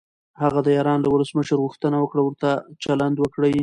هغه د ایران له ولسمشر غوښتنه وکړه ورته چلند وکړي.